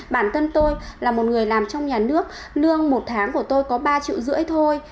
bản thân tôi là một người làm trong nhà nước lương một tháng của tôi có ba triệu rưỡi thôi